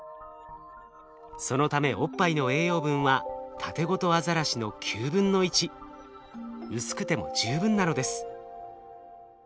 そのためおっぱいの栄養分はタテゴトアザラシの９分の１。薄くても十分なのです。